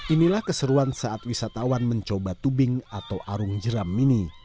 inilah keseruan saat wisatawan mencoba tubing atau arung jeram mini